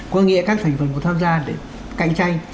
có nghĩa các thành phần của tham gia để cạnh tranh